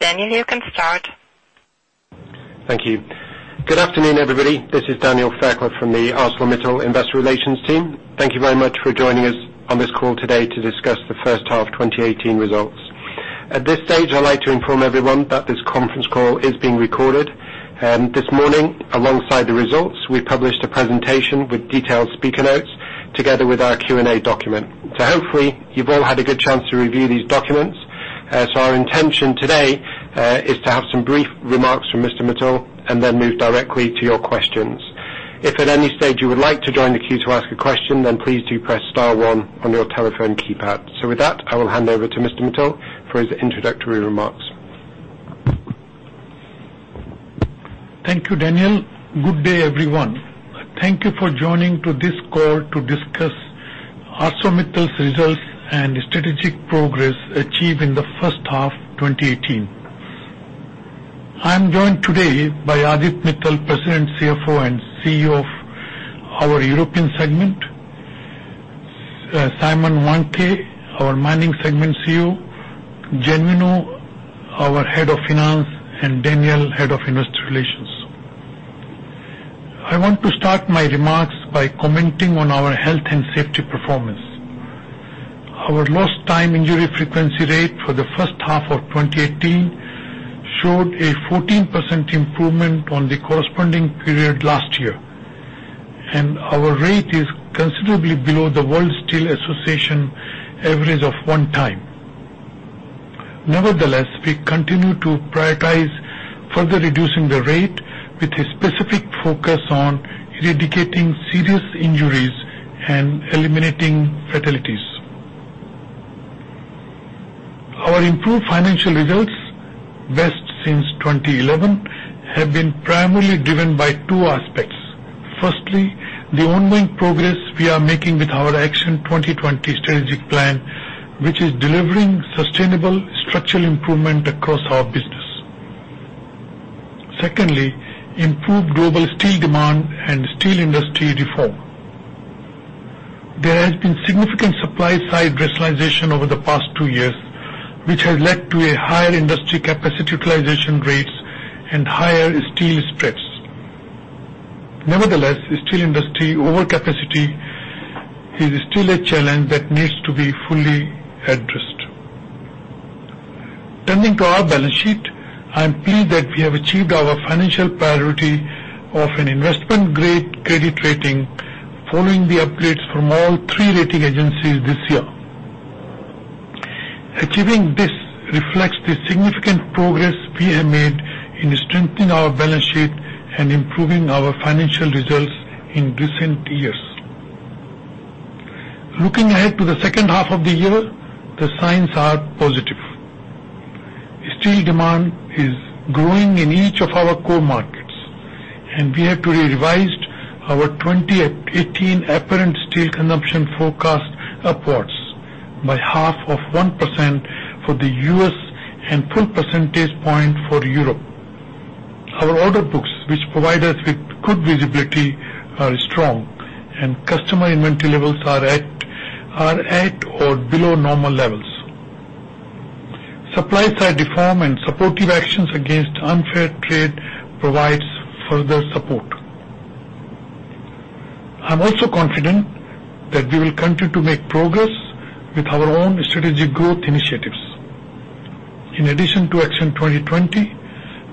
Daniel, you can start. Thank you. Good afternoon, everybody. This is Daniel Fairclough from the ArcelorMittal Investor Relations team. Thank you very much for joining us on this call today to discuss the first half 2018 results. At this stage, I'd like to inform everyone that this conference call is being recorded. This morning, alongside the results, we published a presentation with detailed speaker notes together with our Q&A document. Hopefully, you've all had a good chance to review these documents. Our intention today, is to have some brief remarks from Mr. Mittal and move directly to your questions. If at any stage you would like to join the queue to ask a question, please do press star one on your telephone keypad. With that, I will hand over to Mr. Mittal for his introductory remarks. Thank you, Daniel. Good day, everyone. Thank you for joining this call to discuss ArcelorMittal's results and strategic progress achieved in the first half 2018. I am joined today by Aditya Mittal, President, CFO, and CEO of our European segment, Simon Wandke, our mining segment CEO, Genuino, our Head of Finance, and Daniel, Head of Industry Relations. I want to start my remarks by commenting on our health and safety performance. Our lost time injury frequency rate for the first half of 2018 showed a 14% improvement on the corresponding period last year, and our rate is considerably below the World Steel Association average of one time. Nevertheless, we continue to prioritize further reducing the rate with a specific focus on eradicating serious injuries and eliminating fatalities. Our improved financial results, best since 2011, have been primarily driven by two aspects. Firstly, the ongoing progress we are making with our Action 2020 strategic plan, which is delivering sustainable structural improvement across our business. Secondly, improved global steel demand and steel industry reform. There has been significant supply-side rationalization over the past two years, which has led to higher industry capacity utilization rates and higher steel spreads. Nevertheless, the steel industry over capacity is still a challenge that needs to be fully addressed. Turning to our balance sheet, I am pleased that we have achieved our financial priority of an investment-grade credit rating following the upgrades from all three rating agencies this year. Achieving this reflects the significant progress we have made in strengthening our balance sheet and improving our financial results in recent years. Looking ahead to the second half of the year, the signs are positive. Steel demand is growing in each of our core markets. We have today revised our 2018 apparent steel consumption forecast upwards by half of 1% for the U.S. and full percentage point for Europe. Our order books, which provide us with good visibility, are strong and customer inventory levels are at or below normal levels. Supply side reform and supportive actions against unfair trade provides further support. I am also confident that we will continue to make progress with our own strategic growth initiatives. In addition to Action 2020,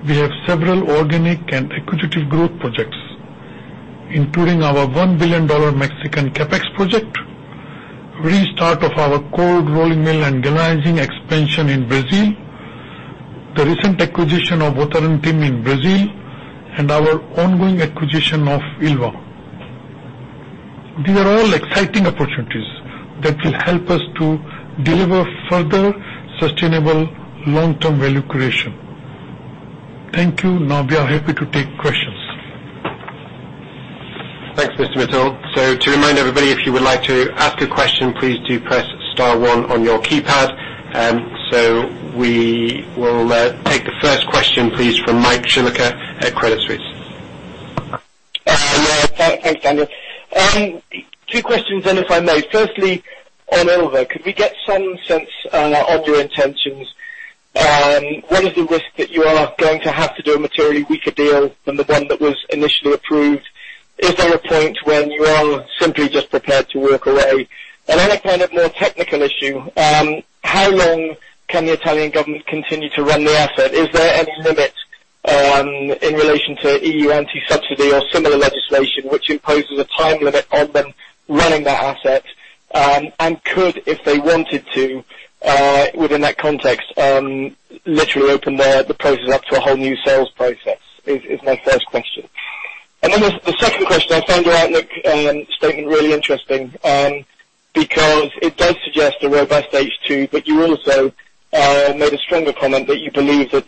we have several organic and equitative growth projects, including our $1 billion Mexican CapEx project, restart of our cold rolling mill and galvanizing expansion in Brazil, the recent acquisition of Votorantim in Brazil, and our ongoing acquisition of Ilva. These are all exciting opportunities that will help us to deliver further sustainable long-term value creation. Thank you. We are happy to take questions. Thanks, Lakshmi Mittal. To remind everybody, if you would like to ask a question, please do press star one on your keypad. We will take the first question, please, from Michael Shillaker at Credit Suisse. Thanks, Daniel. Two questions, if I may. Firstly, on Ilva, could we get some sense of your intentions? What is the risk that you are going to have to do a materially weaker deal than the one that was initially approved? Is there a point when you are simply just prepared to walk away? A kind of more technical issue, how long can the Italian government continue to run the asset? Is there any limit in relation to EU anti-subsidy or similar legislation which imposes a time limit on them running that asset? Could, if they wanted to, within that context, literally open the process up to a whole new sales process? Is my first question. The second question, I found your outlook statement really interesting. It does suggest a robust H2. You also made a stronger comment that you believe that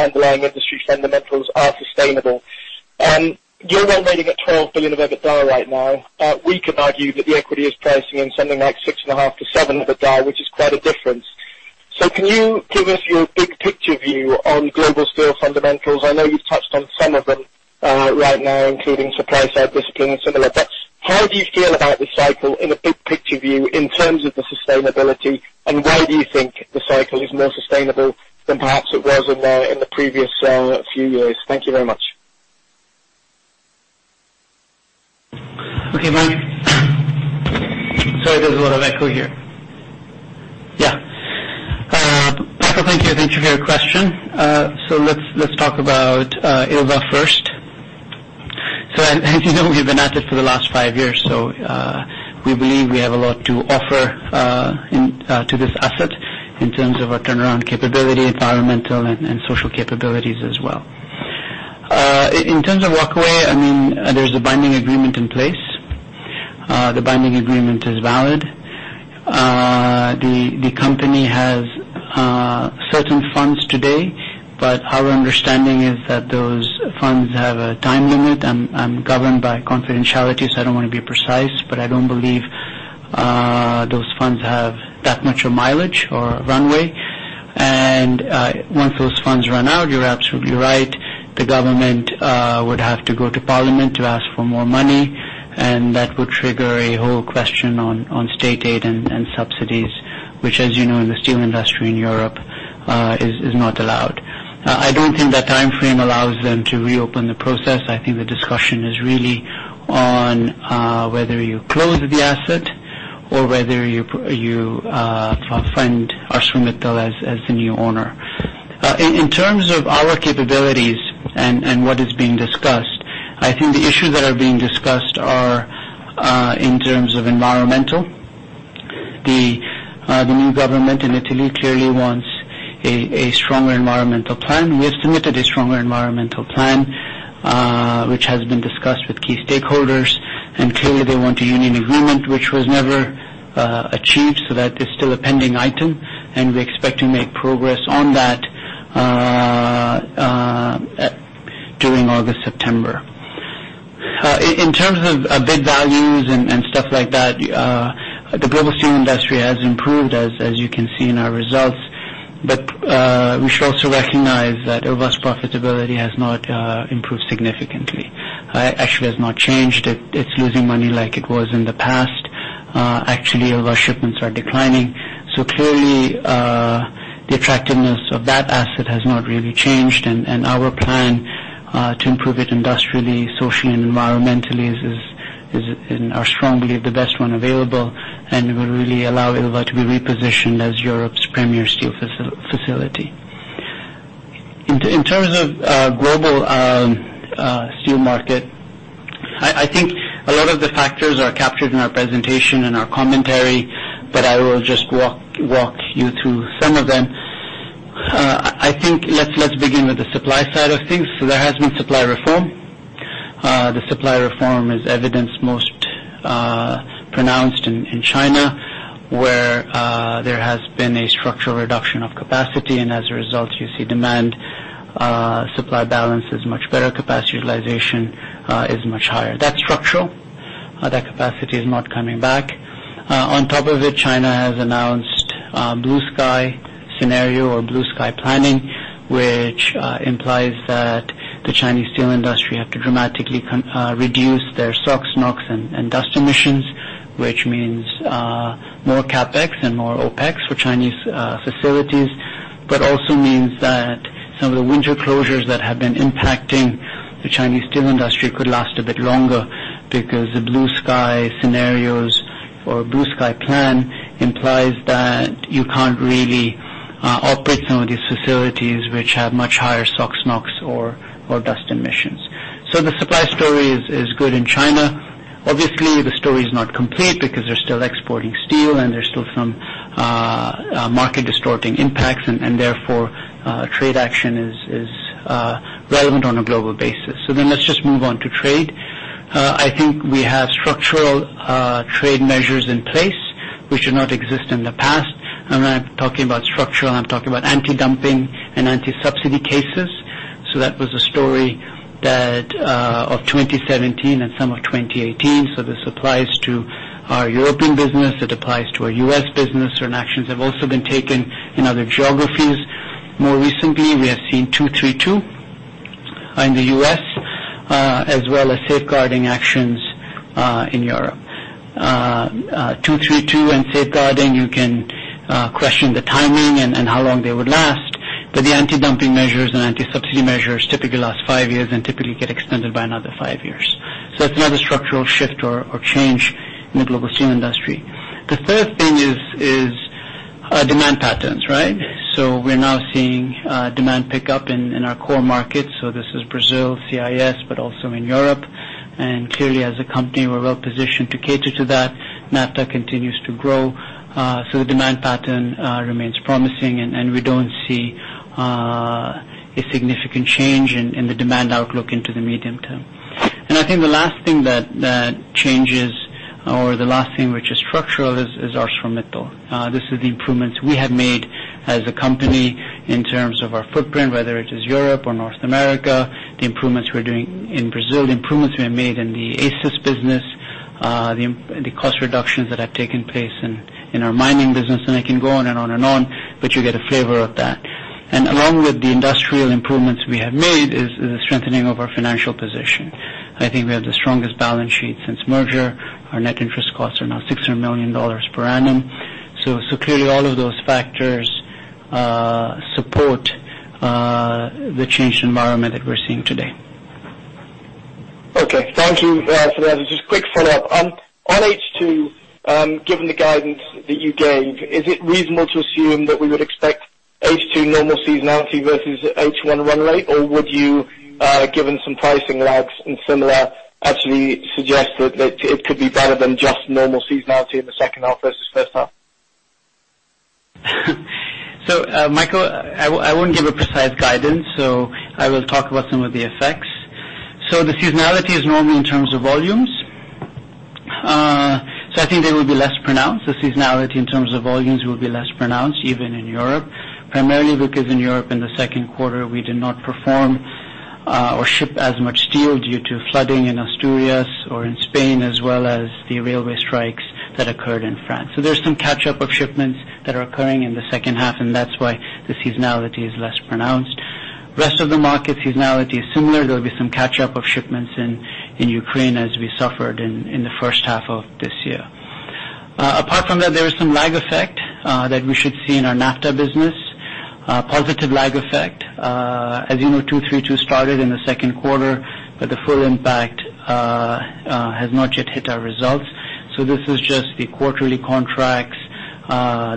underlying industry fundamentals are sustainable. You're now trading at $12 billion of EBITDA right now. We could argue that the equity is pricing in something like 6.5-7 EBITDA, which is quite a difference. Can you give us your big picture view on global steel fundamentals? I know you've touched on some of them right now, including supply side discipline and similar. How do you feel about the cycle in a big picture view in terms of the sustainability, and why do you think the cycle is more sustainable than perhaps it was in the previous few years? Thank you very much. Okay, Mike. Sorry, there's a lot of echo here. Yeah. Michael, thank you for your question. Let's talk about Ilva first. As you know, we've been at it for the last five years. We believe we have a lot to offer to this asset in terms of our turnaround capability, environmental and social capabilities as well. In terms of walk away, there's a binding agreement in place. The binding agreement is valid. The company has certain funds today. Our understanding is that those funds have a time limit. I'm governed by confidentiality. I don't want to be precise, but I don't believe those funds have that much mileage or runway. Once those funds run out, you're absolutely right, the government would have to go to Parliament to ask for more money. That would trigger a whole question on state aid and subsidies, which, as you know, in the steel industry in Europe, is not allowed. I don't think that timeframe allows them to reopen the process. I think the discussion is really on whether you close the asset or whether you fund ArcelorMittal as the new owner. In terms of our capabilities and what is being discussed, I think the issues that are being discussed are in terms of environmental. The new government in Italy clearly wants a stronger environmental plan. We have submitted a stronger environmental plan, which has been discussed with key stakeholders. Clearly they want a union agreement, which was never achieved. That is still a pending item. We expect to make progress on that during August, September. In terms of bid values and stuff like that, the global steel industry has improved, as you can see in our results. We should also recognize that Ilva's profitability has not improved significantly. Actually, it has not changed. It's losing money like it was in the past. Actually, Ilva shipments are declining. Clearly, the attractiveness of that asset has not really changed, and our plan to improve it industrially, socially, and environmentally is strongly the best one available and will really allow Ilva to be repositioned as Europe's premier steel facility. In terms of global steel market, I think a lot of the factors are captured in our presentation and our commentary, but I will just walk you through some of them. Let's begin with the supply side of things. There has been supply reform. The supply reform is evidenced most pronounced in China, where there has been a structural reduction of capacity, and as a result, you see demand-supply balance is much better. Capacity utilization is much higher. That's structural. That capacity is not coming back. On top of it, China has announced blue sky scenario or blue sky planning, which implies that the Chinese steel industry have to dramatically reduce their SOx, NOx, and dust emissions, which means more CapEx and more OpEx for Chinese facilities. Also means that some of the winter closures that have been impacting the Chinese steel industry could last a bit longer because the blue sky scenarios or blue sky plan implies that you can't really operate some of these facilities which have much higher SOx, NOx or dust emissions. The supply story is good in China. Obviously, the story is not complete because they're still exporting steel and there's still some market-distorting impacts, and therefore, trade action is relevant on a global basis. Let's just move on to trade. We have structural trade measures in place which did not exist in the past. I'm not talking about structural, I'm talking about anti-dumping and anti-subsidy cases. That was a story of 2017 and some of 2018. This applies to our European business, it applies to our U.S. business, certain actions have also been taken in other geographies. More recently, we have seen Section 232 in the U.S., as well as safeguarding actions in Europe. Section 232 and safeguarding, you can question the timing and how long they would last, but the anti-dumping measures and anti-subsidy measures typically last five years and typically get extended by another five years. It's another structural shift or change in the global steel industry. The third thing is demand patterns, right? We're now seeing demand pick up in our core markets. This is Brazil, CIS, but also in Europe. Clearly, as a company, we're well-positioned to cater to that. NAFTA continues to grow. The demand pattern remains promising, and we don't see a significant change in the demand outlook into the medium term. The last thing that changes or the last thing which is structural is ArcelorMittal. This is the improvements we have made as a company in terms of our footprint, whether it is Europe or North America, the improvements we're doing in Brazil, the improvements we have made in the ACIS business, the cost reductions that have taken place in our mining business, and I can go on and on and on, but you get a flavor of that. Along with the industrial improvements we have made is the strengthening of our financial position. We have the strongest balance sheet since merger. Our net interest costs are now $600 million per annum. Clearly all of those factors support the changed environment that we're seeing today. Okay. Thank you for that. Just a quick follow-up. On H2, given the guidance that you gave, is it reasonable to assume that we would expect H2 normal seasonality versus H1 run rate, or would you, given some pricing lags and similar, actually suggest that it could be better than just normal seasonality in the second half versus first half? Michael, I wouldn't give a precise guidance. I will talk about some of the effects. The seasonality is normal in terms of volumes. I think they will be less pronounced. The seasonality in terms of volumes will be less pronounced even in Europe, primarily because in Europe, in the second quarter, we did not perform or ship as much steel due to flooding in Asturias or in Spain, as well as the railway strikes that occurred in France. There's some catch-up of shipments that are occurring in the second half, and that's why the seasonality is less pronounced. Rest of the market, seasonality is similar. There will be some catch-up of shipments in Ukraine as we suffered in the first half of this year. Apart from that, there is some lag effect that we should see in our NAFTA business. A positive lag effect. As you know, 2-3-2 started in the second quarter, the full impact has not yet hit our results. This is just the quarterly contracts.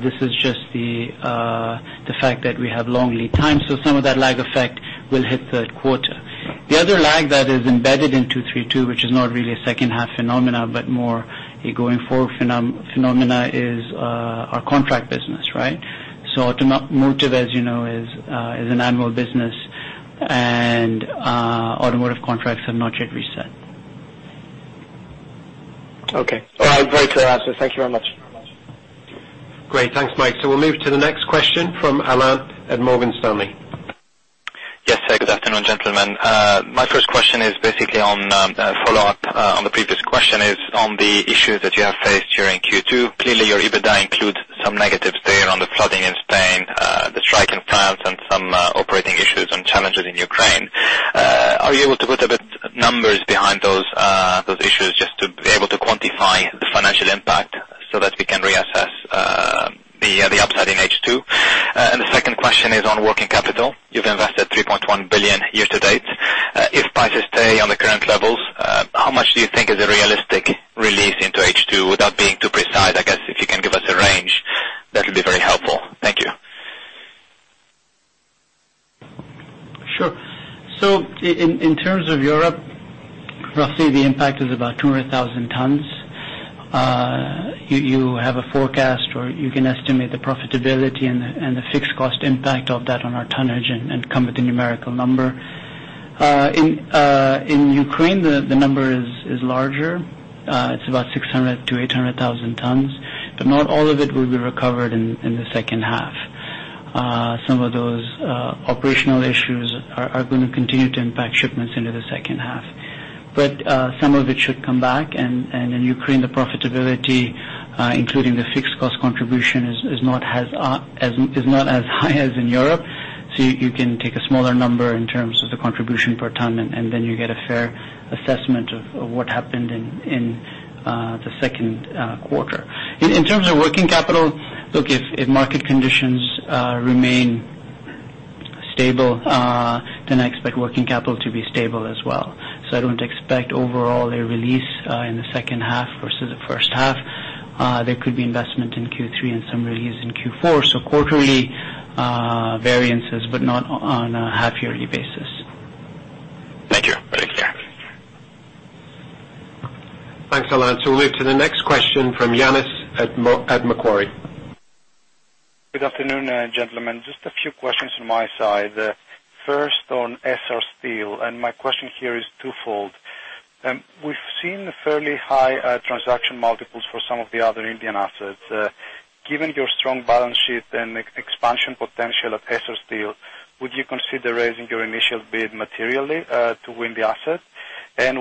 This is just the fact that we have long lead times, some of that lag effect will hit third quarter. The other lag that is embedded in 2-3-2, which is not really a second half phenomena, more a going forward phenomena, is our contract business. Right? Automotive, as you know, is an annual business, and automotive contracts have not yet reset. Okay. All right. Great answer. Thank you very much. Great. Thanks, Mike. We'll move to the next question from Alain at Morgan Stanley. Yes. Good afternoon, gentlemen. My first question is basically a follow-up on the previous question, is on the issues that you have faced during Q2. Clearly, your EBITDA includes some negatives there on the flooding in Spain, the strike in France, and some operating issues and challenges in Ukraine. Are you able to put a bit numbers behind those issues just to be able to quantify the financial impact so that we can reassess the upside in H2? The second question is on working capital. You've invested $3.1 billion year-to-date. If prices stay on the current levels, how much do you think is a realistic release into H2? Without being too precise, I guess if you can give us a range, that would be very helpful. Thank you. Sure. In terms of Europe, roughly the impact is about 200,000 tons. You have a forecast, or you can estimate the profitability and the fixed cost impact of that on our tonnage and come with a numerical number. In Ukraine, the number is larger. It's about 600 to 800,000 tons, but not all of it will be recovered in the second half. Some of those operational issues are going to continue to impact shipments into the second half. Some of it should come back. In Ukraine, the profitability, including the fixed cost contribution, is not as high as in Europe. You can take a smaller number in terms of the contribution per ton, and then you get a fair assessment of what happened in the second quarter. In terms of working capital, look, if market conditions remain stable, then I expect working capital to be stable as well. I don't expect overall a release in the second half versus the first half. There could be investment in Q3 and some release in Q4, so quarterly variances, but not on a half-yearly basis. Thank you. Thanks, Alain. We'll move to the next question from Yannis at Macquarie. Good afternoon, gentlemen. Just a few questions from my side. First, on Essar Steel, my question here is twofold. We've seen fairly high transaction multiples for some of the other Indian assets. Given your strong balance sheet and expansion potential of Essar Steel, would you consider raising your initial bid materially, to win the asset?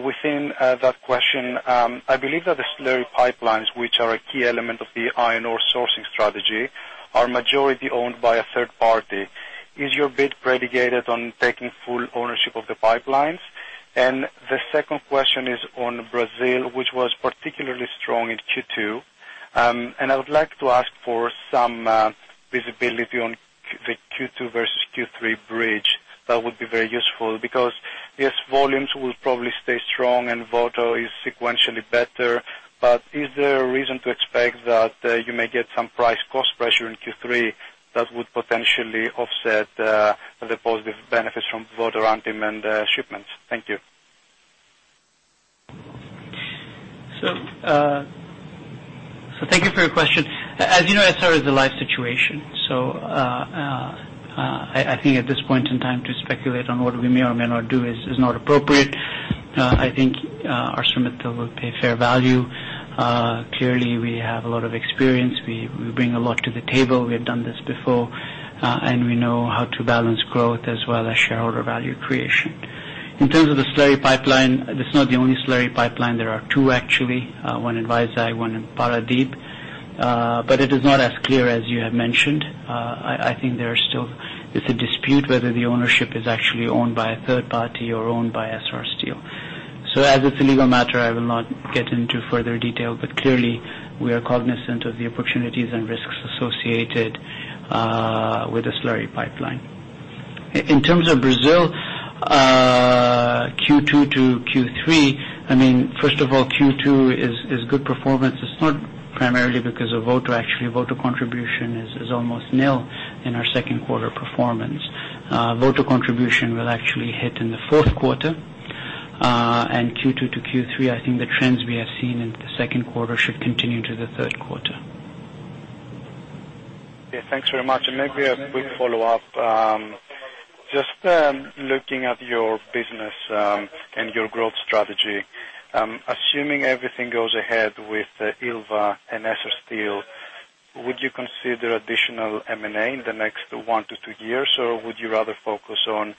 Within that question, I believe that the slurry pipelines, which are a key element of the iron ore sourcing strategy, are majority owned by a third party. Is your bid predicated on taking full ownership of the pipelines? The second question is on Brazil, which was particularly strong in Q2. I would like to ask for some visibility on the Q2 versus Q3 bridge. That would be very useful because, yes, volumes will probably stay strong and Voto is sequentially better, but is there a reason to expect that you may get some price cost pressure in Q3 that would potentially offset the positive benefits from Votorantim and shipments? Thank you. Thank you for your question. As you know, Essar is a live situation. I think at this point in time, to speculate on what we may or may not do is not appropriate. ArcelorMittal will pay fair value. Clearly, we have a lot of experience. We bring a lot to the table. We have done this before, and we know how to balance growth as well as shareholder value creation. In terms of the slurry pipeline, that's not the only slurry pipeline. There are two actually, one in Vizag, one in Paradip. It is not as clear as you have mentioned. I think there still is a dispute whether the ownership is actually owned by a third party or owned by Essar Steel. As it's a legal matter, I will not get into further detail. Clearly, we are cognizant of the opportunities and risks associated with the slurry pipeline. In terms of Brazil, Q2 to Q3, first of all, Q2 is good performance. It's not primarily because of Voto. Actually, Voto contribution is almost nil in our second quarter performance. Voto contribution will actually hit in the fourth quarter. Q2 to Q3, I think the trends we have seen in the second quarter should continue to the third quarter. Yeah. Thanks very much. Maybe a quick follow-up. Just looking at your business and your growth strategy. Assuming everything goes ahead with Ilva and Essar Steel, would you consider additional M&A in the next one to two years, or would you rather focus on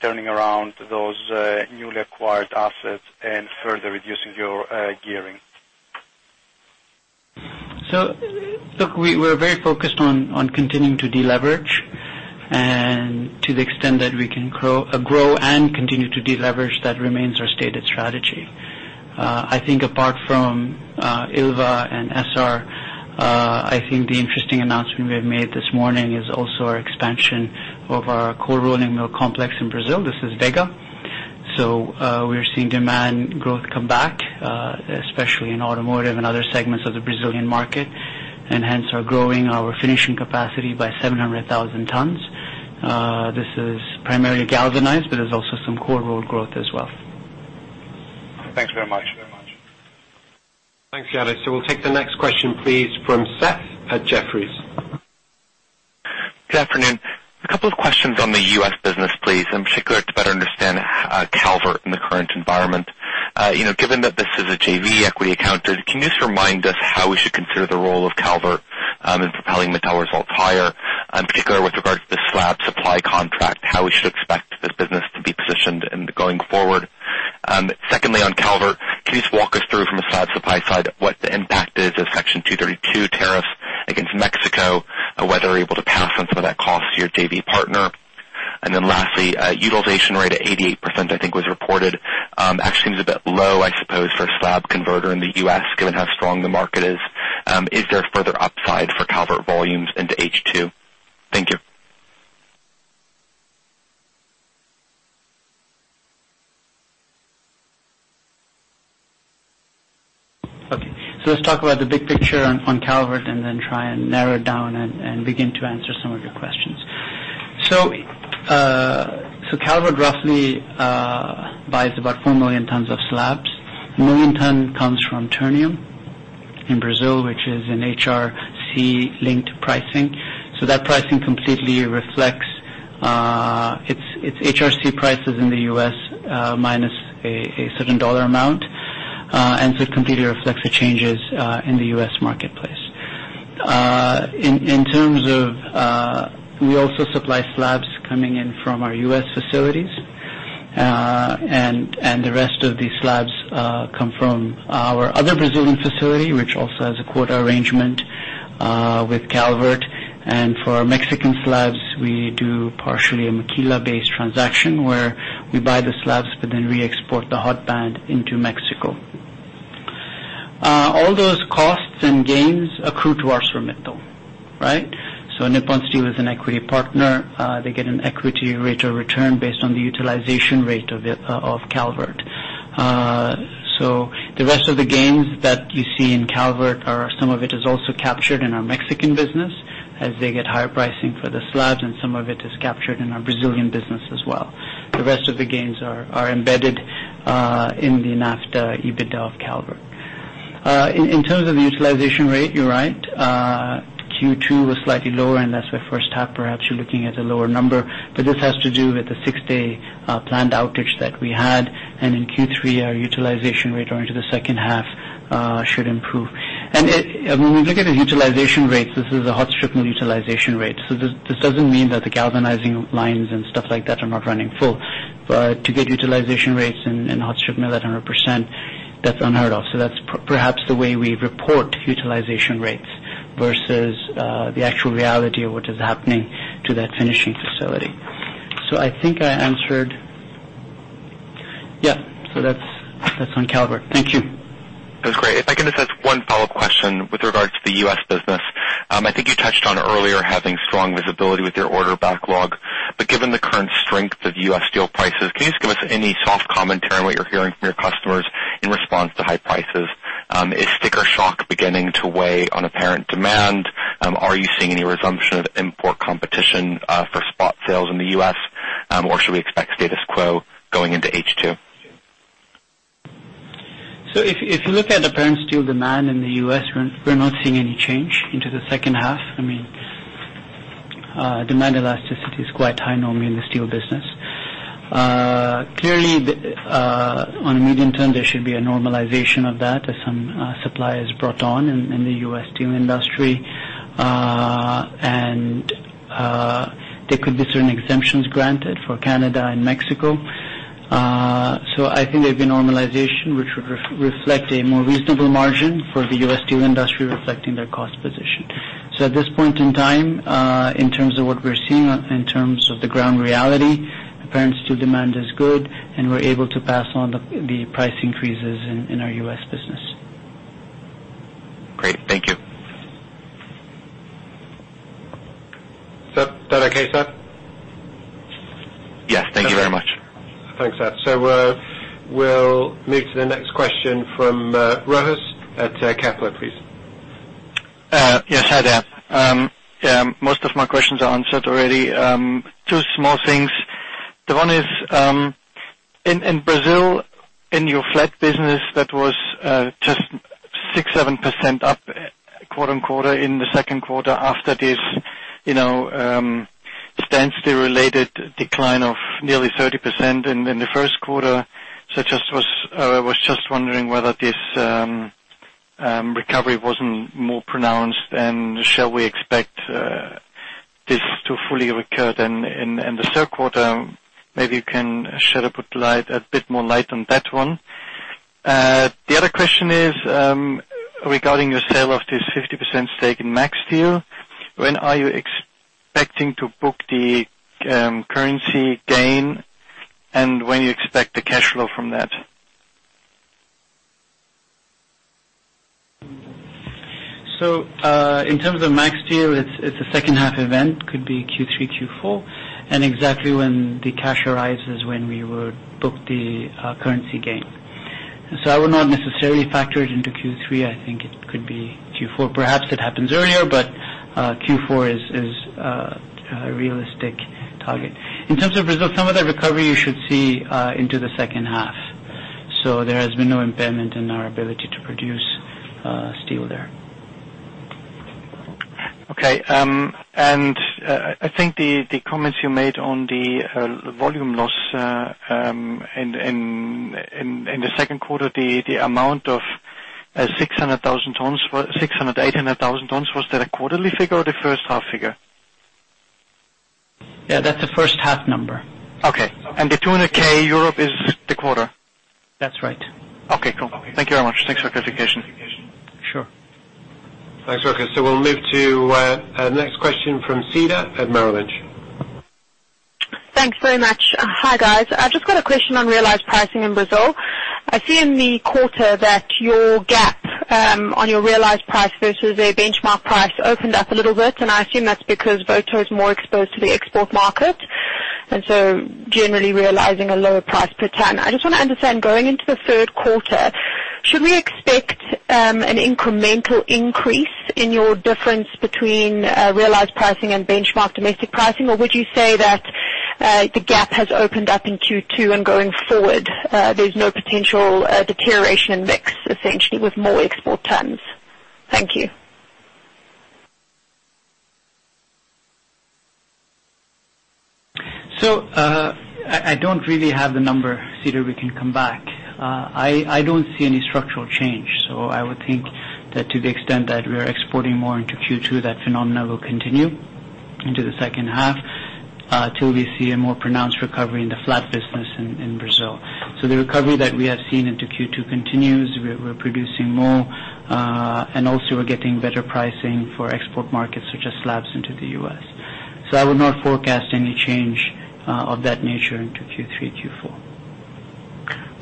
turning around those newly acquired assets and further reducing your gearing? Look, we're very focused on continuing to deleverage, and to the extent that we can grow and continue to deleverage, that remains our stated strategy. I think apart from Ilva and Essar, I think the interesting announcement we have made this morning is also our expansion of our cold rolling mill complex in Brazil. This is Vega. We are seeing demand growth come back, especially in automotive and other segments of the Brazilian market. Hence are growing our finishing capacity by 700,000 tons. This is primarily galvanized, but there's also some cold rolled growth as well. Thanks very much. Thanks, Yannis. We'll take the next question, please, from Seth at Jefferies. Good afternoon. A couple of questions on the U.S. business, please, in particular to better understand Calvert in the current environment. Given that this is a JV equity account, can you just remind us how we should consider the role of Calvert, in propelling Mittal results higher, in particular with regard to the slab supply contract, how we should expect this business to be positioned going forward? Secondly, on Calvert, can you just walk us through from a slab supply side, what the impact is of Section 232 tariffs against Mexico, whether you're able to pass on some of that cost to your JV partner? Lastly, utilization rate at 88%, I think was reported. Actually seems a bit low, I suppose, for a slab converter in the U.S., given how strong the market is. Is there further upside for Calvert volumes into H2? Thank you. Okay. Let's talk about the big picture on Calvert and then try and narrow it down and begin to answer some of your questions. Calvert roughly buys about 4 million tons of slabs. 1 million tons comes from Ternium in Brazil, which is an HRC-linked pricing. That pricing completely reflects its HRC prices in the U.S., minus a certain dollar amount, and so it completely reflects the changes in the U.S. marketplace. We also supply slabs coming in from our U.S. facilities, and the rest of these slabs come from our other Brazilian facility, which also has a quota arrangement with Calvert. For our Mexican slabs, we do partially a maquila-based transaction where we buy the slabs, but then we export the hot band into Mexico. All those costs and gains accrue to ArcelorMittal, right? Nippon Steel is an equity partner. They get an equity rate of return based on the utilization rate of Calvert. The rest of the gains that you see in Calvert, some of it is also captured in our Mexican business as they get higher pricing for the slabs, and some of it is captured in our Brazilian business as well. The rest of the gains are embedded in the NAFTA EBITDA of Calvert. In terms of the utilization rate, you're right. Q2 was slightly lower, and that's why first half, perhaps, you're looking at a lower number. This has to do with the six-day planned outage that we had. In Q3, our utilization rate going into the second half should improve. When we look at the utilization rates, this is a hot strip mill utilization rate. This doesn't mean that the galvanizing lines and stuff like that are not running full. To get utilization rates in hot strip mill at 100%, that's unheard of. That's perhaps the way we report utilization rates versus the actual reality of what is happening to that finishing facility. I think I answered. Yeah. That's on Calvert. Thank you. That's great. If I can just ask one follow-up question with regards to the U.S. business. I think you touched on earlier having strong visibility with your order backlog. Given the current strength of U.S. steel prices, can you just give us any soft commentary on what you're hearing from your customers in response to high prices? Is sticker shock beginning to weigh on apparent demand? Are you seeing any resumption of import competition, for spot sales in the U.S., or should we expect status quo going into H2? If you look at apparent steel demand in the U.S., we're not seeing any change into the second half. Demand elasticity is quite high normally in the steel business. Clearly, on a medium-term, there should be a normalization of that as some supply is brought on in the U.S. steel industry. There could be certain exemptions granted for Canada and Mexico. I think there'd be normalization, which would reflect a more reasonable margin for the U.S. steel industry reflecting their cost position. At this point in time, in terms of what we're seeing, in terms of the ground reality, apparent steel demand is good, and we're able to pass on the price increases in our U.S. business. Great. Thank you. Is that okay, Seth? Yes, thank you very much. Thanks, Seth. We'll move to the next question from Rochus at Kepler, please. Yes. Hi there. Most of my questions are answered already. Two small things. The one is, in Brazil, in your flat business, that was just 6%-7% up quarter-on-quarter in the second quarter after this stance-related decline of nearly 30% in the first quarter. I was just wondering whether this recovery wasn't more pronounced, and shall we expect this to fully recur then in the third quarter? Maybe you can shed a bit more light on that one. The other question is, regarding your sale of this 50% stake in Macsteel, when are you expecting to book the currency gain, and when you expect the cash flow from that? In terms of Macsteel, it's a second half event, could be Q3, Q4, and exactly when the cash arises, when we would book the currency gain. I would not necessarily factor it into Q3. I think it could be Q4. Perhaps it happens earlier, but Q4 is a realistic target. In terms of Brazil, some of that recovery you should see into the second half. There has been no impairment in our ability to produce steel there. Okay. I think the comments you made on the volume loss in the second quarter, the amount of 600,000 tons, 600,000-800,000 tons, was that a quarterly figure or the first half figure? That's a first half number. Okay. The 200,000 Europe is the quarter? That's right. Okay, cool. Thank you very much. Thanks for clarification. Sure. Thanks, Rochus. We'll move to next question from Cedar at Merrill Lynch. Thanks very much. Hi, guys. I've just got a question on realized pricing in Brazil. I see in the quarter that your gap on your realized price versus a benchmark price opened up a little bit, and I assume that's because Voto is more exposed to the export market, and so generally realizing a lower price per ton. I just want to understand, going into the third quarter, should we expect an incremental increase in your difference between realized pricing and benchmark domestic pricing, or would you say that the gap has opened up in Q2 and going forward, there's no potential deterioration in mix, essentially, with more export tons? Thank you. I don't really have the number, Cedar. We can come back. I don't see any structural change. I would think that to the extent that we are exporting more into Q2, that phenomena will continue into the second half, till we see a more pronounced recovery in the flat business in Brazil. The recovery that we have seen into Q2 continues. We're producing more, and also we're getting better pricing for export markets, such as slabs into the U.S. I would not forecast any change of that nature into Q3, Q4.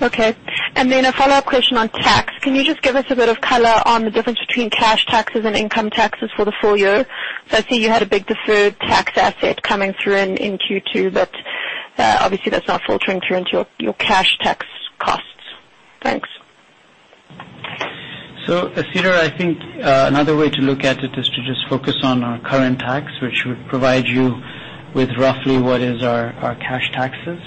Okay. A follow-up question on tax. Can you just give us a bit of color on the difference between cash taxes and income taxes for the full year? I see you had a big deferred tax asset coming through in Q2, but obviously that's not filtering through into your cash tax costs. Thanks. Cedar, I think, another way to look at it is to just focus on our current tax, which would provide you with roughly what is our cash taxes.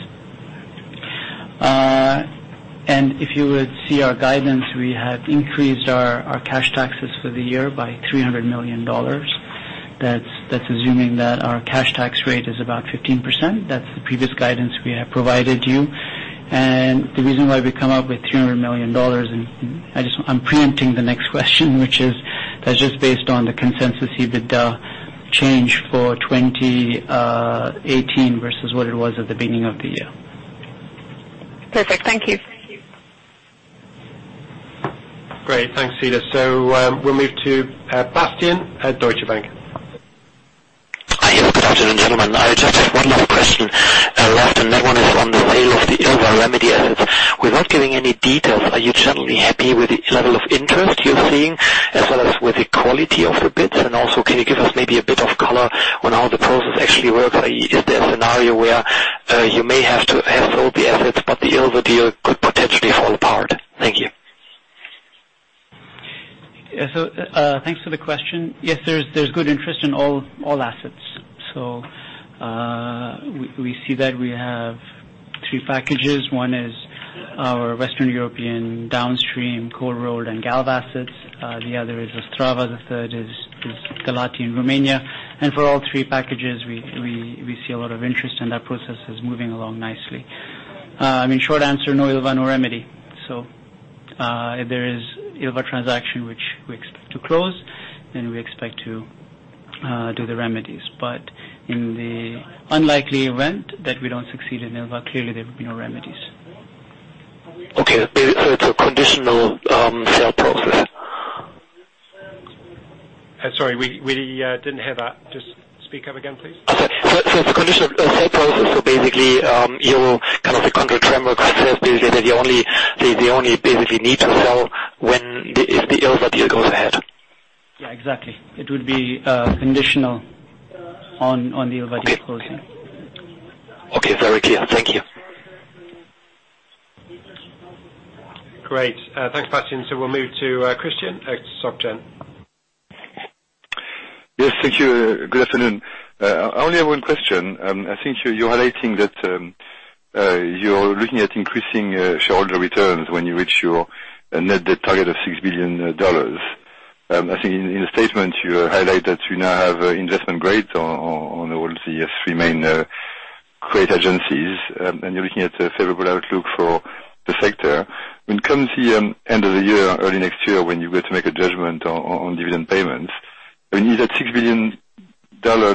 If you would see our guidance, we have increased our cash taxes for the year by $300 million. That's assuming that our cash tax rate is about 15%. That's the previous guidance we have provided you. The reason why we come up with $300 million, and I'm preempting the next question, which is that's just based on the consensus EBITDA change for 2018 versus what it was at the beginning of the year. Perfect. Thank you. Great. Thanks, Cedar. We'll move to Bastian at Deutsche Bank. Yes. Good afternoon, gentlemen. I just have one last question left, and that one is on the sale of the Ilva/Remedy assets. Without giving any details, are you generally happy with the level of interest you're seeing, as well as with the quality of the bids? Also, can you give us maybe a bit of color on how the process actually works? Is there a scenario where you may have sold the assets, but the Ilva deal could potentially fall apart? Thank you. Thanks for the question. Yes, there's good interest in all assets. We see that we have three packages. One is our Western European downstream cold rolled and galv assets. The other is Ostrava. The third is Galati in Romania. For all three packages, we see a lot of interest, and that process is moving along nicely. In short answer, no Ilva, no Remedy. If there is Ilva transaction, which we expect to close, then we expect to do the remedies. In the unlikely event that we don't succeed in Ilva, clearly there would be no remedies. Okay. It's a conditional sale process. Sorry, we didn't hear that. Just speak up again, please. It's a conditional sale process, so basically, kind of the contract framework says that you only basically need to sell if the Ilva deal goes ahead. Yeah, exactly. It would be conditional on the Ilva deal closing. Okay. Very clear. Thank you. Great. Thanks, Bastian. We'll move to Christian at Soc Gen. Yes, thank you. Good afternoon. I only have one question. I think you're highlighting that you're looking at increasing shareholder returns when you reach your net debt target of $6 billion. I think in the statement you highlight that you now have investment grades on all the three main credit agencies, and you're looking at a favorable outlook for the sector. When it comes to the end of the year, early next year, when you're going to make a judgment on dividend payments, is that $6 billion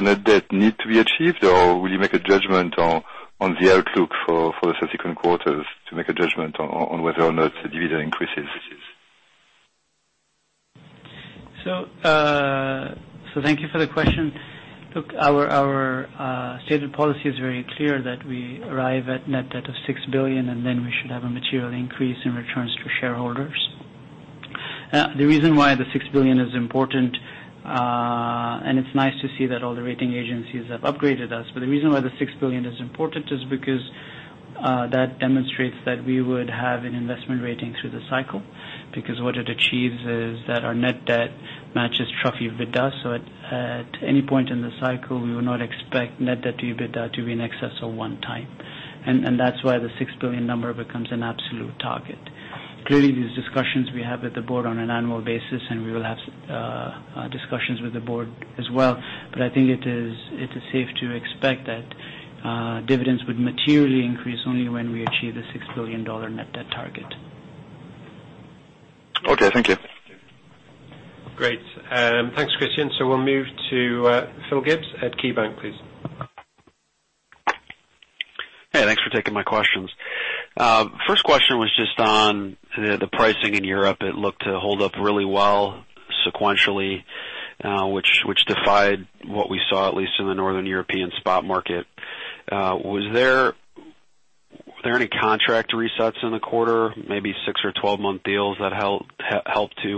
net debt need to be achieved, or will you make a judgment on the outlook for the subsequent quarters to make a judgment on whether or not the dividend increases? Thank you for the question. Look, our stated policy is very clear that we arrive at net debt of $6 billion, then we should have a material increase in returns to shareholders. The reason why the $6 billion is important, it's nice to see that all the rating agencies have upgraded us, the reason why the $6 billion is important is because that demonstrates that we would have an investment rating through the cycle, because what it achieves is that our net debt matches trough EBITDA. At any point in the cycle, we would not expect net debt to EBITDA to be in excess of one time. That's why the $6 billion number becomes an absolute target. Clearly, these discussions we have with the board on an annual basis, we will have discussions with the board as well, I think it is safe to expect that dividends would materially increase only when we achieve the $6 billion net debt target. Okay, thank you. Great. Thanks, Christian. We'll move to Phil Gibbs at KeyBanc, please. Hey, thanks for taking my questions. First question was just on the pricing in Europe. It looked to hold up really well sequentially, which defied what we saw, at least in the Northern European spot market. Was there any contract resets in the quarter, maybe six or 12-month deals that helped to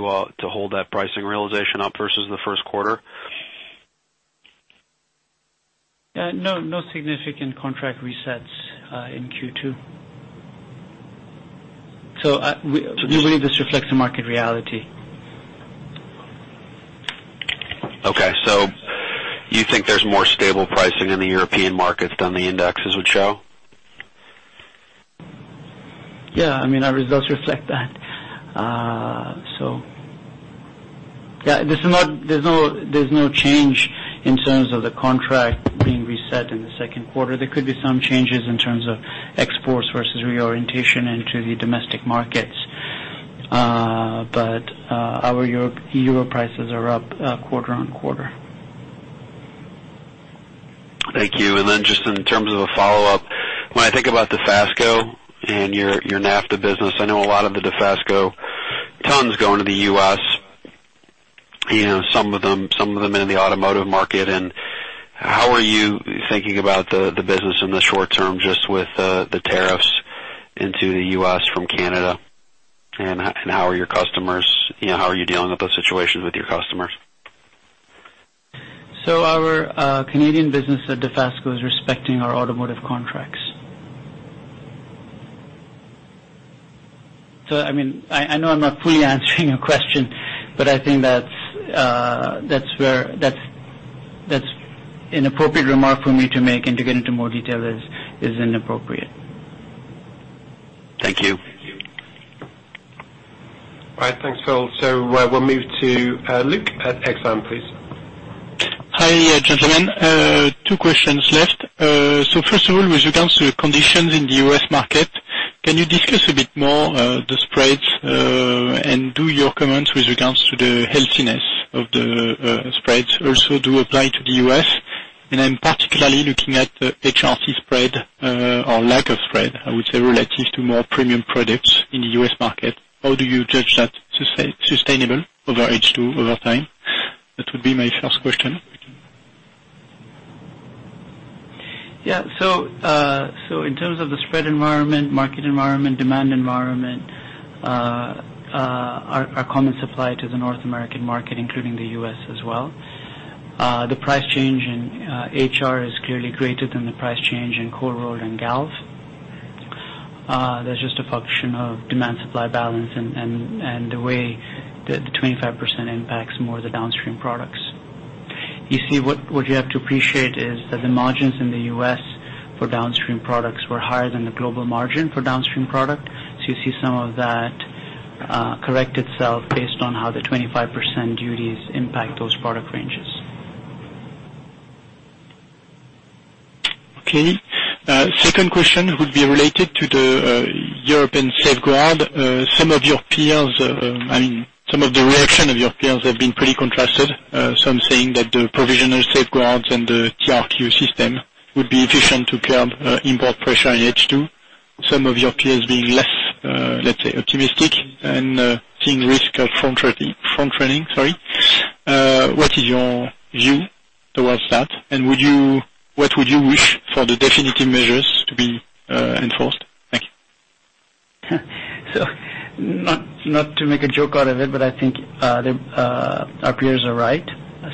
hold that pricing realization up versus the first quarter? No significant contract resets in Q2. We believe this reflects the market reality. Okay. You think there's more stable pricing in the European markets than the indexes would show? Yeah. Our results reflect that. There's no change in terms of the contract being reset in the second quarter. There could be some changes in terms of exports versus reorientation into the domestic markets. Our Euro prices are up quarter-on-quarter. Thank you. Then just in terms of a follow-up, when I think about Dofasco and your NAFTA business, I know a lot of the Dofasco tons going to the U.S., some of them in the automotive market, and how are you thinking about the business in the short term, just with the tariffs into the U.S. from Canada, and how are you dealing with those situations with your customers? Our Canadian business at Dofasco is respecting our automotive contracts. I know I'm not fully answering your question, but I think that's an appropriate remark for me to make, and to get into more detail is inappropriate. Thank you. All right. Thanks, Phil. We'll move to Luc at Exane, please. Hi, gentlemen. Two questions left. First of all, with regards to the conditions in the U.S. market, can you discuss a bit more the spreads, and do your comments with regards to the healthiness of the spreads also do apply to the U.S.? I'm particularly looking at the HRC spread, or lack of spread, I would say, relative to more premium products in the U.S. market. How do you judge that sustainable over H2 over time? That would be my first question. Yeah. In terms of the spread environment, market environment, demand environment, our common supply to the North American market, including the U.S. as well. The price change in HR is clearly greater than the price change in cold rolled and galv. That's just a function of demand-supply balance and the way that the 25% impacts more of the downstream products. You see, what you have to appreciate is that the margins in the U.S. for downstream products were higher than the global margin for downstream product. You see some of that correct itself based on how the 25% duties impact those product ranges. Okay. Second question would be related to the European safeguard. Some of the reaction of your peers have been pretty contrasted. Some saying that the provisional safeguards and the TRQ system would be efficient to curb import pressure in H2. Some of your peers being less, let's say, optimistic and seeing risk of front-running. What is your view towards that? What would you wish for the definitive measures to be enforced? Thank you. Not to make a joke out of it, but I think our peers are right.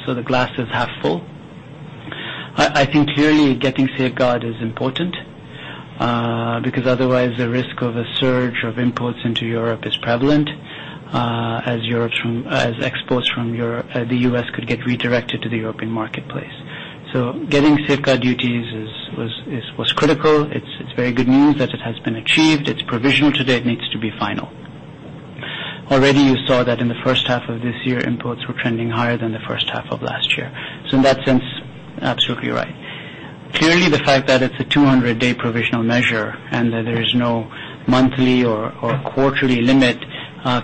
The glass is half full. I think clearly getting safeguard is important, because otherwise the risk of a surge of imports into Europe is prevalent, as exports from the U.S. could get redirected to the European marketplace. Getting safeguard duties was critical. It's very good news that it has been achieved. It's provisional today. It needs to be final. Already you saw that in the first half of this year, imports were trending higher than the first half of last year. In that sense, absolutely right. Clearly, the fact that it's a 200-day provisional measure and that there is no monthly or quarterly limit,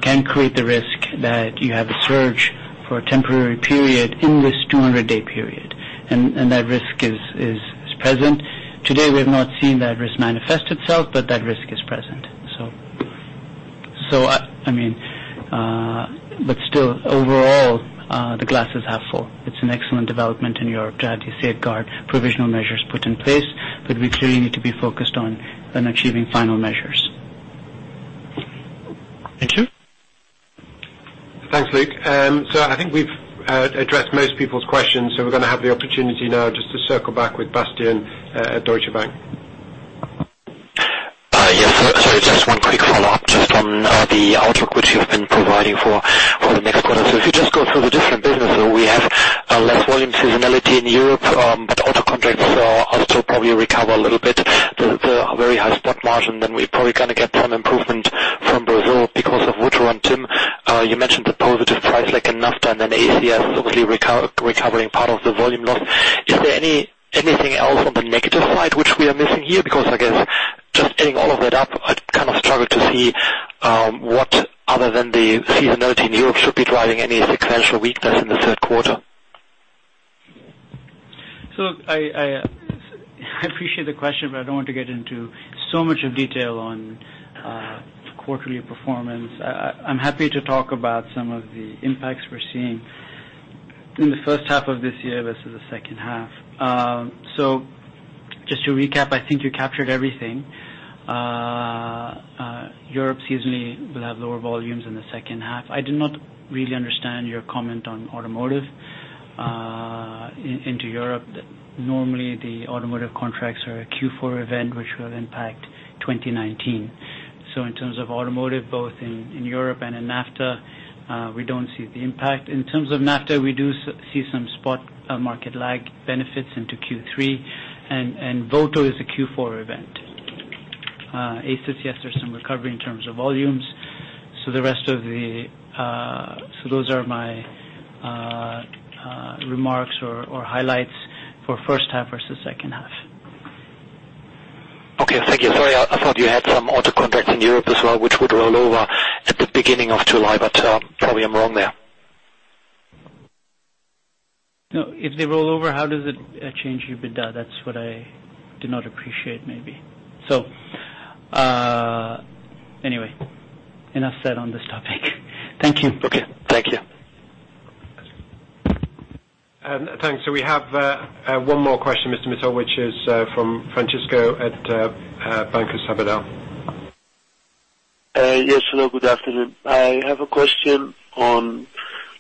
can create the risk that you have a surge for a temporary period in this 200-day period. That risk is present. Today we have not seen that risk manifest itself, but that risk is present. Still, overall, the glass is half full. It's an excellent development in Europe to have the safeguard provisional measures put in place, but we clearly need to be focused on achieving final measures. Thank you. Thanks, Luc. I think we've addressed most people's questions, we're going to have the opportunity now just to circle back with Bastian at Deutsche Bank. Yes. Just one quick follow-up just on the outlook, which you've been providing for the next quarter. If you just go through the different businesses, we have less volume seasonality in Europe, auto contracts are still probably recover a little bit the very high spot margin, we probably going to get some improvement from Brazil because of Votorantim. You mentioned the positive price like in NAFTA and ACIS obviously recovering part of the volume loss. Is there anything else on the negative side which we are missing here? I guess just adding all of that up, I'd kind of struggle to see what, other than the seasonality in Europe, should be driving any sequential weakness in the third quarter. I appreciate the question, I don't want to get into so much of detail on quarterly performance. I'm happy to talk about some of the impacts we're seeing in the first half of this year versus the second half. Just to recap, I think you captured everything. Europe seasonally will have lower volumes in the second half. I do not really understand your comment on automotive into Europe. Normally the automotive contracts are a Q4 event which will impact 2019. In terms of automotive, both in Europe and in NAFTA, we don't see the impact. In terms of NAFTA, we do see some spot market lag benefits into Q3, and Voto is a Q4 event. ACIS, yes, there's some recovery in terms of volumes. Those are my remarks or highlights for first half versus second half. Okay, thank you. Sorry, I thought you had some auto contracts in Europe as well, which would roll over at the beginning of July. Probably I'm wrong there. No. If they roll over, how does it change EBITDA? That's what I do not appreciate, maybe. Anyway, enough said on this topic. Thank you. Okay. Thank you. Thanks. We have one more question, Mr. Mittal, which is from Francisco at Banco Sabadell. Yes, hello. Good afternoon. I have a question on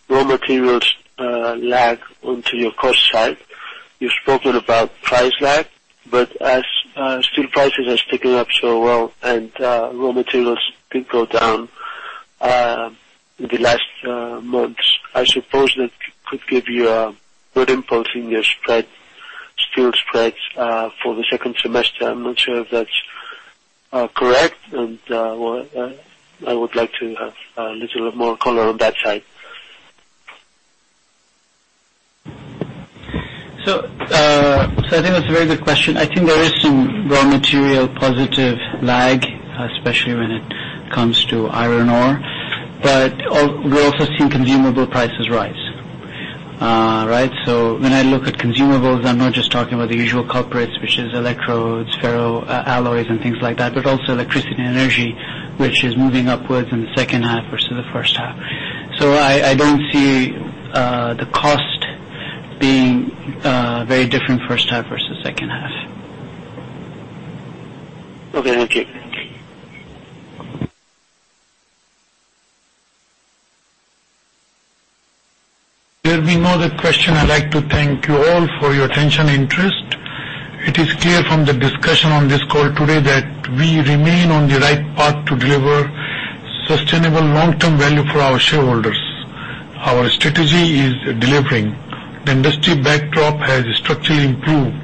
raw materials lag onto your cost side. You've spoken about price lag, but as steel prices has ticking up so well and raw materials did go down in the last months, I suppose that could give you a good impulse in your steel spreads for the second semester. I'm not sure if that's correct. I would like to have a little more color on that side. I think that's a very good question. I think there is some raw material positive lag, especially when it comes to iron ore. We're also seeing consumable prices rise. Right? When I look at consumables, I'm not just talking about the usual culprits, which is electrodes, ferroalloys and things like that, but also electricity and energy, which is moving upwards in the second half versus the first half. I don't see the cost being very different first half versus second half. Okay, thank you. There'll be no other question. I'd like to thank you all for your attention and interest. It is clear from the discussion on this call today that we remain on the right path to deliver sustainable long-term value for our shareholders. Our strategy is delivering. The industry backdrop has structurally improved.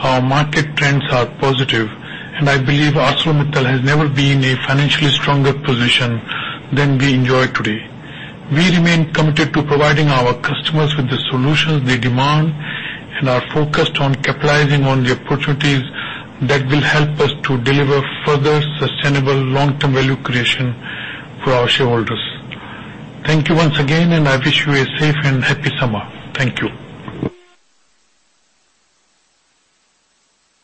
Our market trends are positive. I believe ArcelorMittal has never been in a financially stronger position than we enjoy today. We remain committed to providing our customers with the solutions they demand and are focused on capitalizing on the opportunities that will help us to deliver further sustainable long-term value creation for our shareholders. Thank you once again. I wish you a safe and happy summer. Thank you.